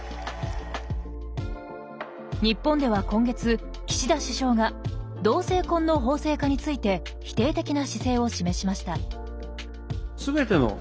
日本では今月岸田首相が同性婚の法制化について否定的な姿勢を示しました。